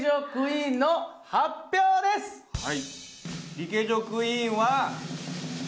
リケジョクイーンは。